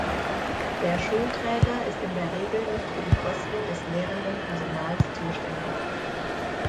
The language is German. Der Schulträger ist in der Regel nicht für die Kosten des lehrenden Personals zuständig.